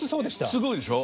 すごいでしょ。